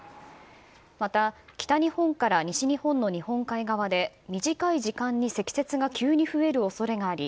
また北日本から西日本の日本海側で短い時間に積雪が急に増える恐れがあり